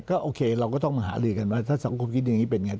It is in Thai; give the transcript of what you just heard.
ก็โอเคเราก็ต้องมาหาลือกันว่าถ้าสังคมคิดอย่างนี้เป็นไง